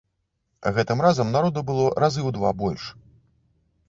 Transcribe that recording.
Гэтым разам народу было разы ў два больш.